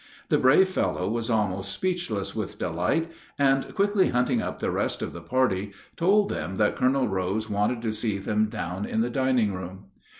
The brave fellow was almost speechless with delight, and quickly hunting up the rest of the party, told them that Colonel Rose wanted to see them down in the dining room.